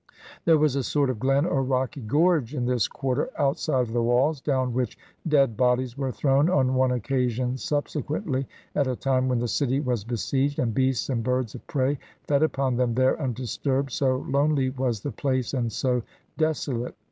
There was a sort of glen or rocky gorge in this quarter, outside of the walls, down which dead bodies were thrown on one occasion subsequently, at a time when the city was be sieged, and beasts and birds of prey fed upon them there undisturbed, so lonely was the place and so desolate.